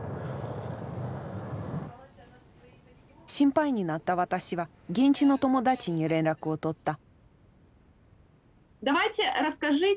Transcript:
心配になった私は現地の友達に連絡を取った。